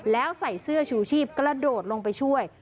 แล้วใส่เสื้อชูชีพกระโดดลงไปช่วย